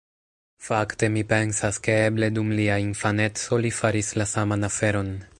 Fakte mi pensas, ke eble dum lia infaneco li faris la saman aferon.